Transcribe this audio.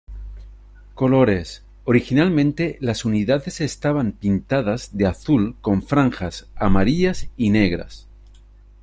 Colores: originalmente las unidades estaban pintadas de azul con franjas amarillas y negras.